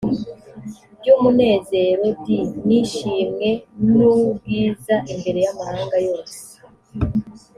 ry umunezero d n ishimwe n ubwiza imbere y amahanga yose